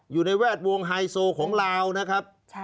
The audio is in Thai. อยู่ในแวดวงไฮโซของลาวนะครับ